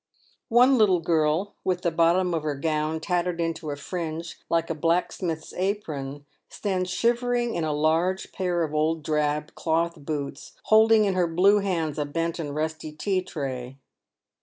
One little girl, with the bottom of her gown tattered into a fringe like a blacksmith's apron, stands shiver ing in a large pair of old drab cloth boots, holding in her blue hands a bent and rusty tea tray.